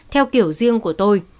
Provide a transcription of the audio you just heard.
theo kiểu riêng của tôi